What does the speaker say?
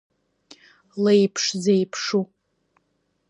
Леиԥш зеиԥшу.